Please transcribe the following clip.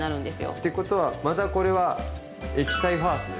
ってことはまたこれは「液体ファースト」ですね。